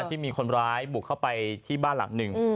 ที่มีคนร้ายบุกเข้าไปที่บ้านหลังหนึ่ง